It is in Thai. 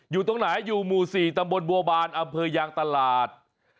อยู่ตรงไหนอยู่หมู่๔ตำบลบัวบานอำเภอยางตลาด